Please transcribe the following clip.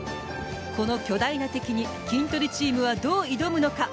この巨大な敵にキントリチームはどう挑むのか。